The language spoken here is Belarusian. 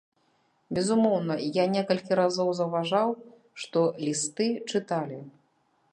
Безумоўна, я некалькі разоў заўважаў, што лісты чыталі.